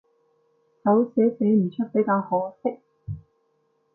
手寫寫唔出比較可惜